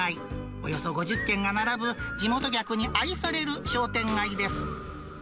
およそ５０軒が並ぶ、地元客に愛される商店街です。